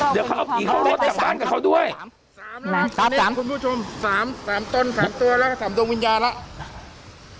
เดี๋ยวเขาเข้ารถกลับบ้านกับเขาด้วย๓ต้น๓ตัวแล้ว๓ดวงวิญญาณแล้ว